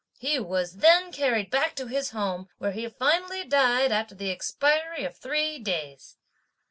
He was then carried back to his home, where he finally died after the expiry of three days.